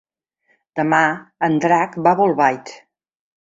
Demà en Drac va a Bolbait.